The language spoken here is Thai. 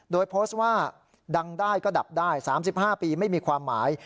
โดยโพสต์ว่าดังได้ก็ดับได้๓๕ปีไม่มีความหมาย